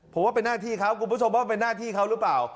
ผมว่าเป็นหน้าที่เขาคุณผู้ชมว่ามันเป็นหน้าที่เขาหรือเปล่า